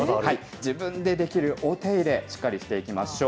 自分でできるお手入れ、しっかりしていきましょう。